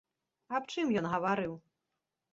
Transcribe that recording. Аб чым ён гаварыў?